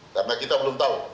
karena kita belum tahu